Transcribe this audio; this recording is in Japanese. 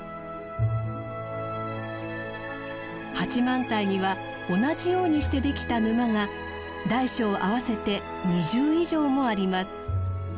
八幡平には同じようにしてできた沼が大小合わせて２０以上もあります。